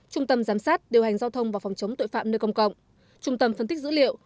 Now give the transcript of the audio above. trung tâm giám sát điều hành giao thông và phòng chống tội phạm nơi công cộng trung tâm phân tích dữ liệu